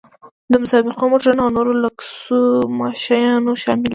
د مسابقو موټرونه او نور لوکس شیان شامل وو.